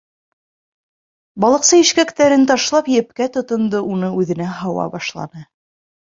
Балыҡсы, ишкәктәрен ташлап, епкә тотондо, уны үҙенә һауа башланы.